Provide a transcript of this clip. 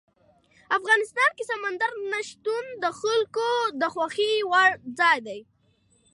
افغانستان کې سمندر نه شتون د خلکو د خوښې وړ ځای دی.